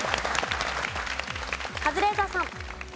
カズレーザーさん。